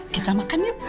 kita makan yuk